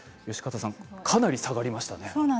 かなり下がりましたね。